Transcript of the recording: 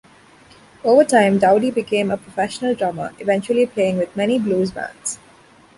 Over time Dowdy became a professional drummer, eventually playing with many blues bands.